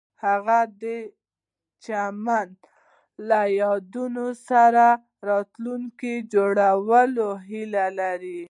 هغوی د چمن له یادونو سره راتلونکی جوړولو هیله لرله.